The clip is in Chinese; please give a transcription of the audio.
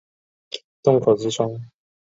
洞口之窗